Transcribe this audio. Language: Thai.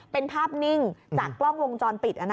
เป็นภาพนิ่งจากกล้องวงจรปิด